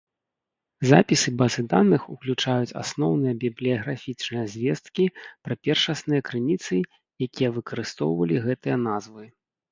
Запісы базы даных уключаюць асноўныя бібліяграфічныя звесткі пра першасныя крыніцы, якія выкарыстоўвалі гэтыя назвы.